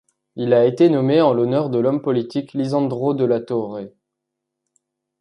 Il a été nommé en l’honneur de l’homme politique Lisandro de la Torre.